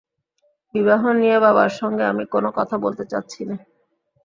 বিবাহ নিয়ে বাবার সঙ্গে আমি কোনো কথা বলতে যাচ্ছি নে।